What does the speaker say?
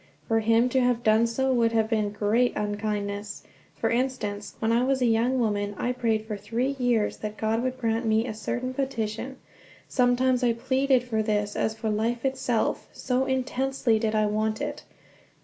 For him to have done so would have been great unkindness. For instance: when I was a young woman I prayed for three years that God would grant me a certain petition. Sometimes I pleaded for this as for life itself, so intensely did I want it.